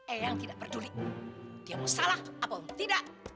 eang tidak peduli dia mau salah atau tidak